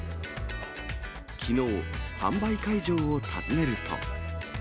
きのう、販売会場を訪ねると。